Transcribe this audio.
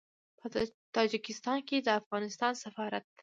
په تاجکستان کې د افغانستان سفارت